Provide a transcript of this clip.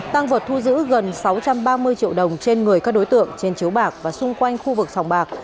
tăng vật thu giữ gần sáu trăm ba mươi triệu đồng trên người các đối tượng trên chiếu bạc và xung quanh khu vực sòng bạc